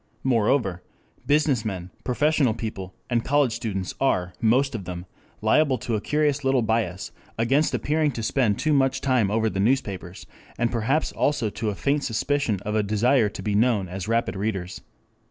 Moreover, business men, professional people, and college students are most of them liable to a curious little bias against appearing to spend too much time over the newspapers, and perhaps also to a faint suspicion of a desire to be known as rapid readers.